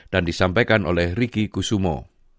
dan disampaikan oleh ricky kusumo